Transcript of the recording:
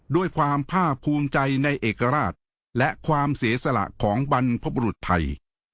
ด้วยความภาคภูมิใจในเอกราชและความเสียสละของบรรพบรุษไทย